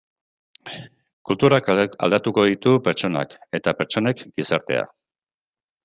Kulturak aldatuko ditu pertsonak eta pertsonek gizartea.